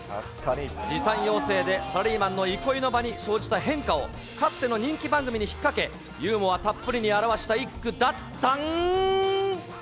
時短要請で、サラリーマンの憩いの場に生じた変化を、かつての人気番組に引っ掛け、ユーモアたっぷりに表した一句だったん。